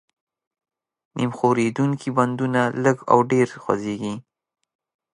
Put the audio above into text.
نیم ښورېدونکي بندونه لږ او ډېر خوځېږي.